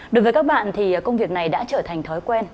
đối với các bạn thì công việc này đã trở thành thói quen